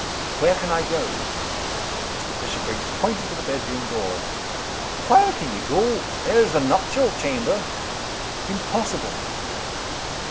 "Where can I go?" Mr. Bishopriggs pointed to the bedroom door. "Whar' can ye go? There's the nuptial chamber!" "Impossible!"